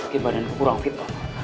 kebanyakan kurang fit